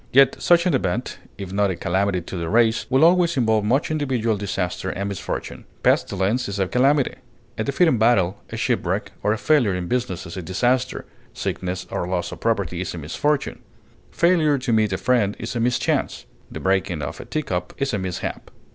Yet such an event, if not a calamity to the race, will always involve much individual disaster and misfortune. Pestilence is a calamity; a defeat in battle, a shipwreck, or a failure in business is a disaster; sickness or loss of property is a misfortune; failure to meet a friend is a mischance; the breaking of a teacup is a mishap.